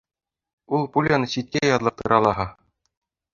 — Ул пуляны ситкә яҙлыҡтыра лаһа!